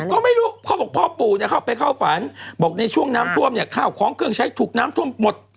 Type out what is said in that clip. ก็ไม่รู้เขาบอกพ่อปู่เนี่ยเข้าไปเข้าฝันบอกในช่วงน้ำท่วมเนี่ยข้าวของเครื่องใช้ถูกน้ำท่วมหมด